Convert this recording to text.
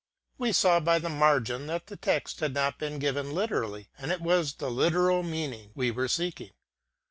We saw by the margin that the text had not been given literally, and it was the literal meaning we were seeking.